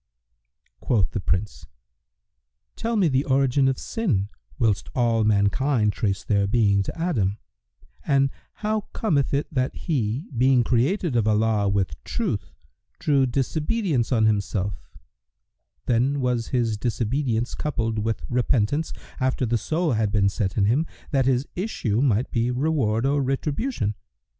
Quoth the Prince, "Tell me the origin of sin, whilst all mankind trace their being to Adam, and how cometh it that he, being created of Allah with truth, drew disobedience on himself; then was his disobedience coupled with repentance, after the soul had been set in him, that his issue might be reward or retribution?